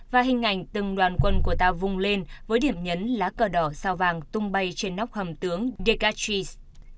và hình ảnh từng đoàn quân của ta vùng lên với điểm nhấn lá cờ đỏ sao vàng tung bay trên nóc hầm tướng decastis